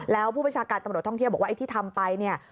แล้วผู้ประชาการตำรวจท่องเที่ยวบอกว่าไอ้ที่ทำไปเนี่ย